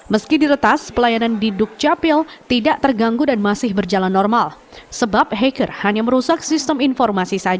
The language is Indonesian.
meski diretas pelayanan di dukcapil tidak terganggu dan masih berjalan normal sebab hacker hanya merusak sistem informasi